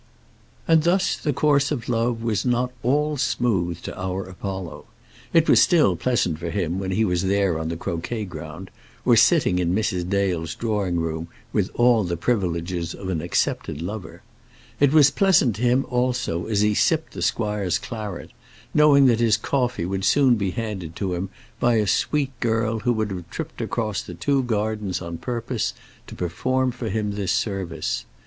And thus the course of love was not all smooth to our Apollo. It was still pleasant for him when he was there on the croquet ground, or sitting in Mrs. Dale's drawing room with all the privileges of an accepted lover. It was pleasant to him also as he sipped the squire's claret, knowing that his coffee would soon be handed to him by a sweet girl who would have tripped across the two gardens on purpose to perform for him this service.